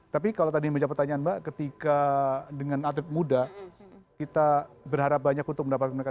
tapi kalau tadi menjawab pertanyaan mbak ketika dengan atlet muda kita berharap banyak untuk mendapatkan mereka